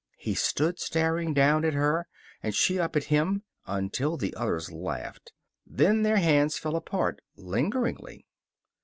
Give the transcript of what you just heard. He stood staring down at her, and she up at him, until the others laughed. Then their hands fell apart, lingeringly.